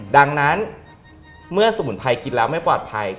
ดังนั้นเมื่อสมุนไพรกินแล้วไม่ปลอดภัย